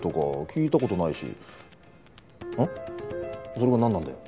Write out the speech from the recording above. それが何なんだよ。